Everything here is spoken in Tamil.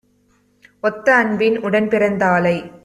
ஒத்த அன்பின் உடன்பிறந் தாளைத்